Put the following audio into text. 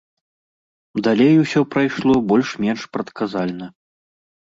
Далей усё прайшло больш-менш прадказальна.